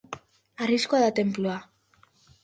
Harrizkoa da tenplua.